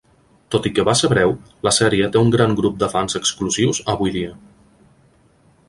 Tot i que va ser breu, la sèrie té un gran grup de fans exclusius avui dia.